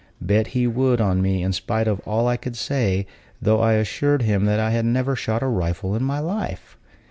Bet he would on me, in spite of all I could say, though I assured him that I had never shot a rifle in my life.